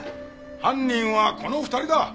犯人はこの２人だ。